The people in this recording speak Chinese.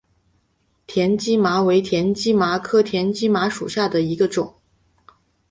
田基麻为田基麻科田基麻属下的一个种。